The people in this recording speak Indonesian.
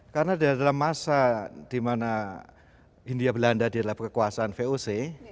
karena dalam masa di mana india belanda di dalam kekuasaan voc